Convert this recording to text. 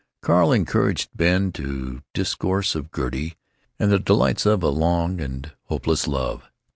Carl encouraged Ben to discourse of Gertie and the delights of a long and hopeless love.